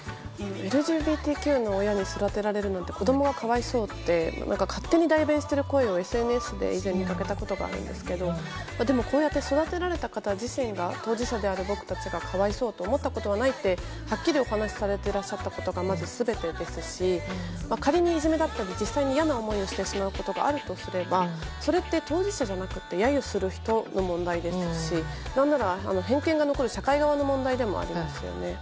ＬＧＢＴＱの親に育てられるのって子供が可哀想って勝手に代弁している声をＳＮＳで、以前見かけたことがあるんですがでもこうやって育てられた方自身が当事者である僕たちが可哀想と思ったことはないとはっきりお話ししてらっしゃったことがまず全てですし仮にいじめだったり実際に嫌な思いをすることがあるとすればそれって当事者じゃなくて揶揄する人の問題ですし何なら、偏見が残る社会側の問題でもありますよね。